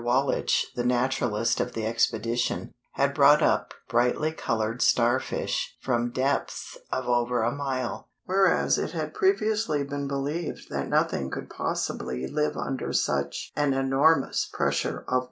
Wallich, the naturalist of the expedition, had brought up brightly colored starfish from depths of over a mile, whereas it had previously been believed that nothing could possibly live under such an enormous pressure of water.